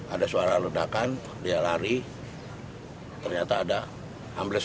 ada suara ledakan dia lari ternyata ada ambles